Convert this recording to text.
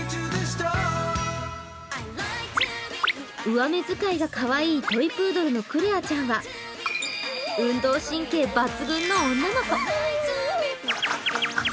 上目づかいがかわいいトイプードルのクレアちゃんは運動神経抜群の女の子。